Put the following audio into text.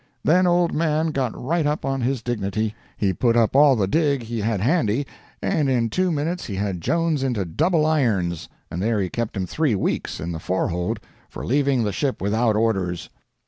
Then old Mann got right up on his dignity—he put on all the dig. he had handy—and in two minutes he had Jones into double irons, and there he kept him three weeks, in the forehold, for leaving the ship without orders.